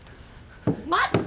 待って！